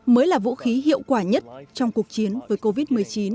mới là vũ khí hiệu quả nhất trong cuộc chiến với covid một mươi chín